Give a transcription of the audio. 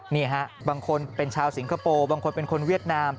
นี่ฮะบางคนเป็นชาวสิงคโปร์บางคนเป็นคนเวียดนาม